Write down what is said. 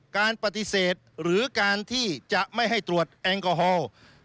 การปฏิเสธหรือการที่จะไม่ให้ตรวจแอลกอฮอล์